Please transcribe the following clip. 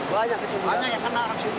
banyak yang kecundang